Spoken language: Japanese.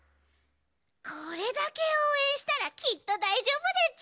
これだけおうえんしたらきっとだいじょうぶだち！